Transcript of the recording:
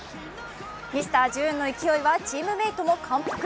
ミスター・ジューンの勢いはチームメートも感服。